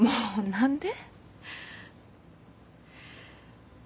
何で？